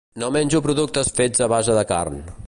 No menjo productes fets a base de carn.